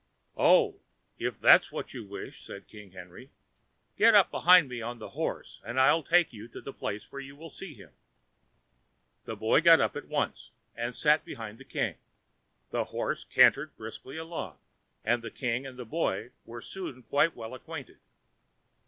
"Oh, if that is what you wish," said King Henry, "get up behind me on the horse and I'll take you to the place where you will see him." The boy got up at once, and sat behind the king. The horse cantered briskly along, and king and boy were soon quite well acquainted.